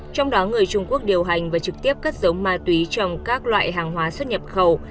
trong đó người trung quốc điều hành và trực tiếp cất giống ma túy trong các loại hàng hóa xuất nhập khẩu